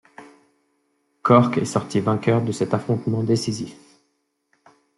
Cork est sorti vainqueur de cet affrontement décisif.